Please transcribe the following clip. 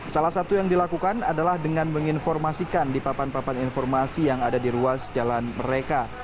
salah satu yang dilakukan adalah dengan menginformasikan di papan papan informasi yang ada di ruas jalan mereka